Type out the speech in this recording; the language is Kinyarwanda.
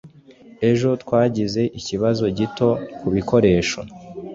ejo twagize ikibazo gito kubikoresho